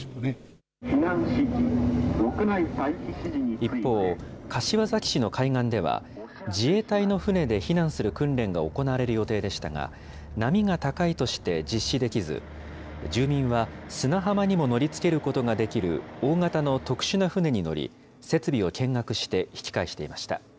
一方、柏崎市の海岸では、自衛隊の船で避難する訓練が行われる予定でしたが、波が高いとして実施できず、住民は砂浜にも乗りつけることができる大型の特殊な船に乗り、設備を見学して引き返していました。